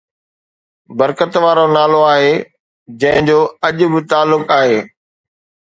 برڪت وارو نالو آهي جنهن جو اڄ به تعلق آهي